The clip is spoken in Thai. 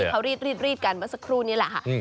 เขารีดกันเมื่อสักครู่นี้แหละค่ะ